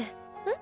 え？